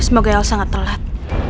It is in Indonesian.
semoga el sangat telat